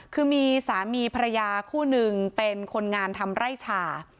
คือมีสามีภรรยาคู่หนึ่งเป็นคนงานทำไร่ชา